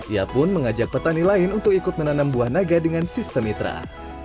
ia pun mengajak petani lain untuk ikut menanam buah naga dengan sistem mitra